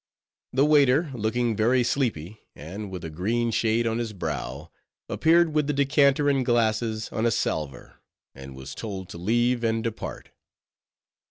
The waiter, looking very sleepy, and with a green shade on his brow, appeared with the decanter and glasses on a salver, and was told to leave it and depart.